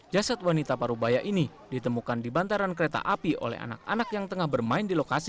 jasad wanita parubaya ini ditemukan di bantaran kereta api oleh anak anak yang tengah bermain di lokasi